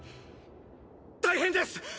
大変です！